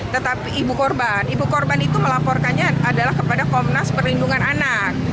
tetapi ibu korban ibu korban itu melaporkannya adalah kepada komnas perlindungan anak